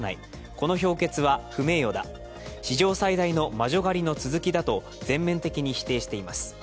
この評決は不名誉だ、史上最大の魔女狩りの続きだと全面的に否定しています。